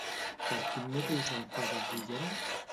Per quin motiu s'enfada, Guillem?